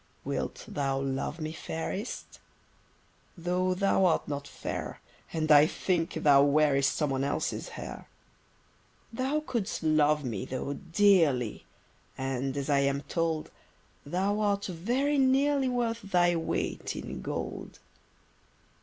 Wilt thou love me, fairest? Though thou art not fair; And I think thou wearest Someone else's hair. Thou could'st love, though, dearly: And, as I am told, Thou art very nearly Worth thy weight, in gold.